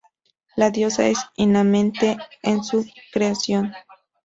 La Diosa es inmanente en su creación.